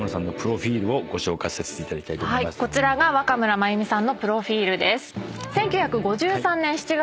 こちらが若村麻由美さんのプロフィルです。